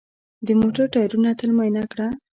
د موټر ټایرونه تل معاینه کړه.